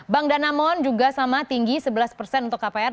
bank danamon juga sama tinggi sebelas persen untuk kpr